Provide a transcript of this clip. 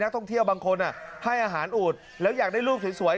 ท่องเที่ยวบางคนให้อาหารอูดแล้วอยากได้ลูกสวย